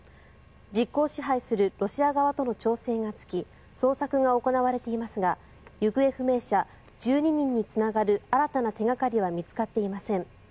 実効支配するロシア側との調整がつき捜索が行われていますが行方不明者１２人につながる新たな手掛かりは見つかっていません。